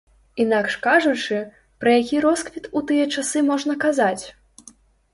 Інакш кажучы, пра які росквіт у тыя часы можна казаць?